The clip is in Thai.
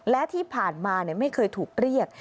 และที่ผ่านมาไม่เคยถูกเรียก